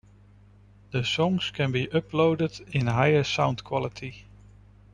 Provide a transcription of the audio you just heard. The songs can be uploaded in higher sound quality.